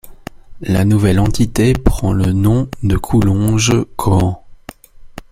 La nouvelle entité prend le nom de Coulonges-Cohan.